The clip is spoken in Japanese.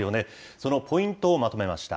そのポイントをまとめました。